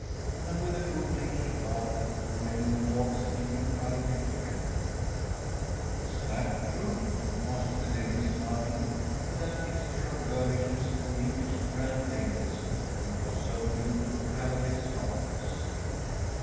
‚ÄĚ And with a good natured laugh the two men went off, speaking hurriedly together. “Is that true?‚ÄĚ asked the lady, smiling with that mixture of girlishness and English grand ladyism, which was so new to Caleb S. Harkness.